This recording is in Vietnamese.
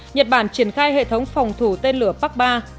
nhật bản triển khai hệ thống phòng thủ tên lửa park ba